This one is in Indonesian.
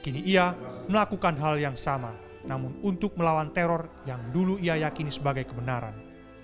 kini ia melakukan hal yang sama namun untuk melawan teror yang dulu ia yakini sebagai kebenaran